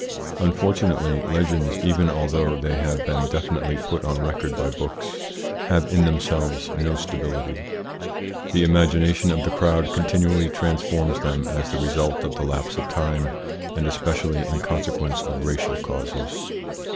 Unfortunately, legends even although they have been definitely put on record by books have in themselves no stability. The imagination of the crowd continually transforms them as the result of the lapse of time and especially in consequence of racial causes.